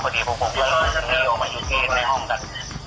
พอเดี๋ยวผมก็เรียกออกมาอีกที่ในห้องกันอ๋อ